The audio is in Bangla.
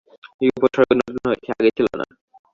এই উপসর্গ নতুন হয়েছে, আগে ছিল না।